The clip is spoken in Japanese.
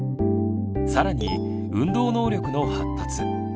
更に運動能力の発達。